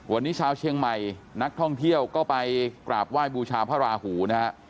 วันนี้ชาวเชียงใหม่นักท่องเที่ยวก็ไปกราบไหว้บูชาพระราหูนะฮะ